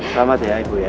selamat ya ibu ya